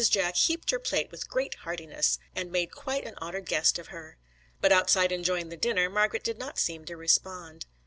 Jack heaped her plate with great heartiness and made quite an honoured guest of her. But outside enjoying the dinner Margret did not seem to respond.